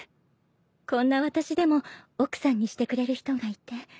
こんな私でも奥さんにしてくれる人がいて。